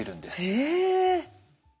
へえ。